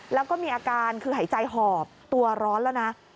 แล้วก็มีอาการคือหายใจหอบตัวร้อนแล้วนะ